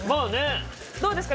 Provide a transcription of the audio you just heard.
どうですか？